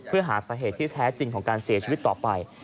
เพื่อหาสาเหตุที่แท้จริงของการเสียชีวิตต่อไป